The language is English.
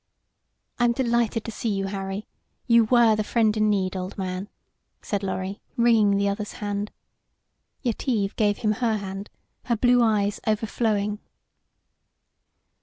"I am delighted to see you, Harry. You were the friend in need, old man," said Lorry, wringing the other's hand. Yetive gave him her hand, her blue eyes overflowing.